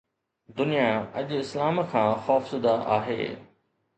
دنيا اڄ اسلام کان خوفزده آهي.